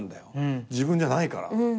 自分じゃないから。